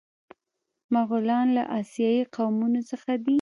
مغولان له اسیایي قومونو څخه دي.